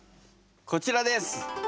こちらです。